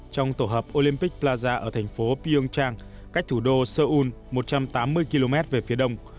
trong tổ hợp olympic plaza ở thành phố peyung trang cách thủ đô seoul một trăm tám mươi km về phía đông